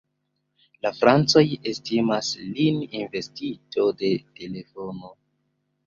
La francoj estimas lin inventisto de telefono.